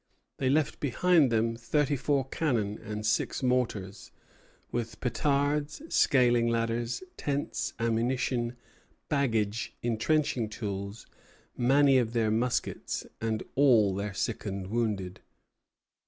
They left behind them thirty four cannon and six mortars, with petards, scaling ladders, tents, ammunition, baggage, intrenching tools, many of their muskets, and all their sick and wounded.